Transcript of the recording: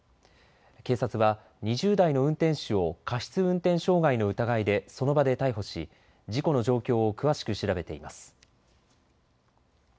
警察は２０代の運転手を過失運転傷害の疑いでその場で逮捕し事故の状況を詳しく調べています。